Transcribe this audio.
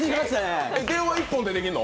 電話一本でできるの？